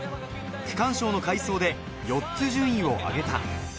区間賞の快走で４つ順位を上げた。